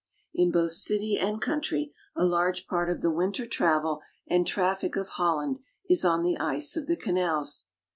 In both city and country, a large part of the winter travel and traffic of Holland is on the ice of the canals.